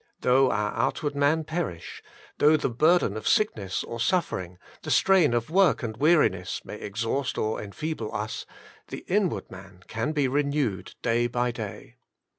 Though our outward man perish, though ;,Hf'v .< .*i the burden of sickness or suffering, the strain of ^ work and weariness may exhaust or enfeeble us,'^ ' the inward man can be renewed day by day.